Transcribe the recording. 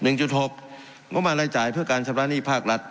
งบประมาณรายจ่ายเพื่อการชำระหนี้ภาครัฐ